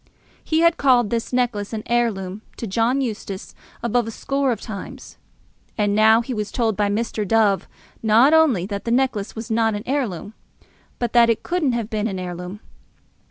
He had called this necklace an heirloom to John Eustace above a score of times; and now he was told by Mr. Dove not only that the necklace was not an heirloom, but that it couldn't have been an heirloom.